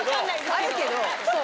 あるけどそう。